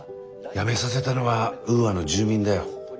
辞めさせたのはウーアの住民だよ。